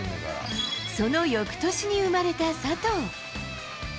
その翌年に生まれた佐藤。